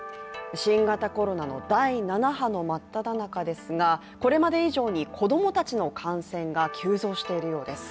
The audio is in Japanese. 新型コロナの第７波の真っただ中ですがこれまで以上に子供たちの感染が急増しているようです。